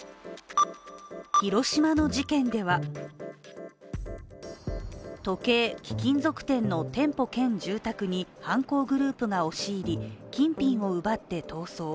広島の事件では時計・貴金属店の店舗兼住宅に犯行グループが押し入り、金品を奪って逃走。